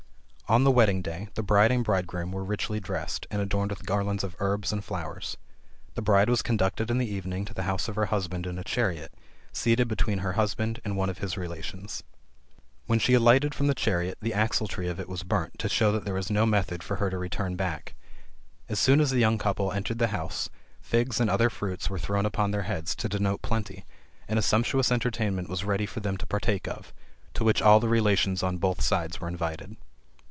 On the wedding day, the bride and bridegroom were richly dressed, and adorned with garlands of herbs and flowers. The bride was conducted in the evening to the house of her husband in a chariot, seated between her husband and one of his relations. When she alighted from the chariot the axle tree of it was burnt to show that there was no method for her to return back. As soon as the young couple entered the house, figs and other fruits were thrown upon their heads to denote plenty; and a sumptuous entertainment was ready for them to partake of, to which all the relations on both sides were invited.